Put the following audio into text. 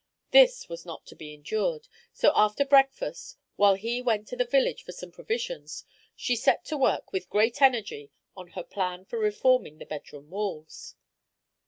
This was not to be endured, so after breakfast, while he went to the village for some provisions, she set to work with great energy on her plan for reforming the bedroom walls.